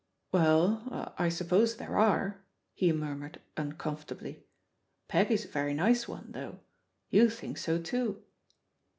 "Well, I suppose there are," he murmured un comfortably. "Peggy's a very nice one, though. You think so too."